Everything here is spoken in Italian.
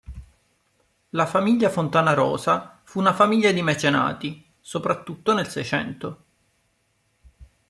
La famiglia Fontanarosa fu una famiglia di mecenati, soprattutto nel Seicento.